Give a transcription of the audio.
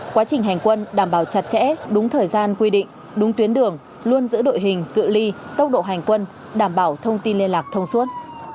quá trình hành quân đảm bảo chặt chẽ đúng thời gian quy định đúng tuyến đường luôn giữ đội hình cự ly tốc độ hành quân đảm bảo thông tin liên lạc thông suốt